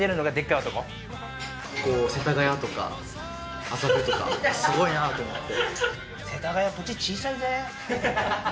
世田谷とか、麻布とかすごいなと思って。